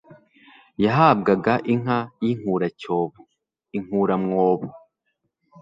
yahabwaga inka y'inkuracyobo (inkuramwobo)